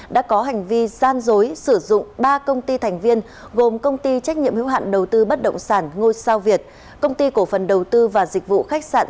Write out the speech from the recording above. đã có hành vi gian dối sử dụng ba công ty thành viên gồm công ty trách nhiệm hữu hạn đầu tư bất động sản ngôi sao việt công ty cổ phần đầu tư và dịch vụ khách sạn